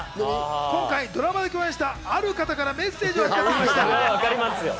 今回、ドラマで共演したある方からメッセージを預かってきました。